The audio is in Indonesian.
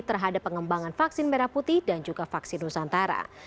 terhadap pengembangan vaksin merah putih dan juga vaksin nusantara